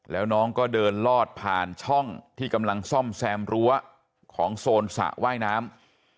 แล้วน้องก็เดินลอดผ่านช่องที่กำลังซ่อมแซมรั้วของโซนสระว่ายน้ำ